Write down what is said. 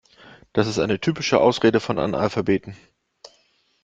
Das ist eine typische Ausrede von Analphabeten.